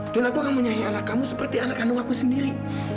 dan aku akan menyayangi anak kamu seperti anak kandung aku sendiri